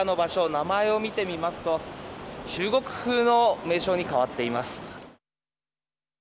名前を見てみますと中国風の名称に変わっています。